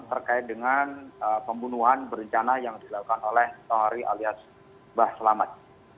terkait dengan pembunuhan berencana yang dilakukan oleh tohri alias mbah selamat